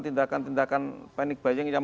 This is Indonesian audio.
tindakan tindakan panik bayang yang